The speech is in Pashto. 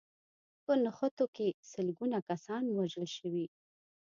په نښتو کې سلګونه کسان وژل شوي